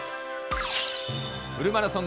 フルマラソン